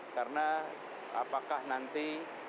karena apakah nanti